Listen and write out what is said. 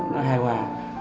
nó hài hòa